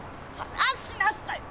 離しなさい！